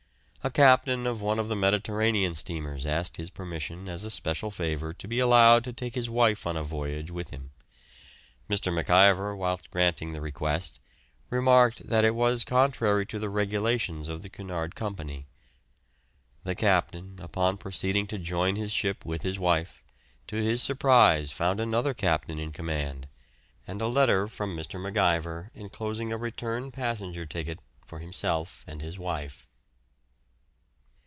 A captain of one of the Mediterranean steamers asked his permission as a special favour to be allowed to take his wife a voyage with him. Mr. MacIver whilst granting the request, remarked that it was contrary to the regulations of the Cunard Company. The captain, upon proceeding to join his ship with his wife, to his surprise found another captain in command, and a letter from Mr. MacIver enclosing a return passenger ticket for himself and his wife.